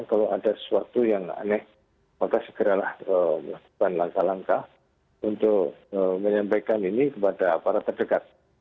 kalau ada sesuatu yang aneh maka segeralah melakukan langkah langkah untuk menyampaikan ini kepada aparat terdekat